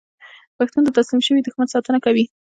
پښتون د تسلیم شوي دښمن ساتنه کوي.